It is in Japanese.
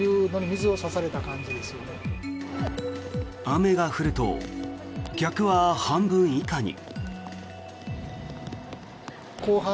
雨が降ると、客は半分以下に。